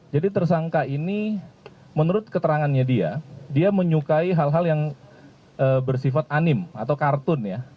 jadi tersangka ini menurut keterangannya dia dia menyukai hal hal yang bersifat anim atau kartun ya